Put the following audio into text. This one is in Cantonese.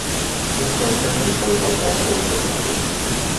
一個商業舖頭廣告都冇!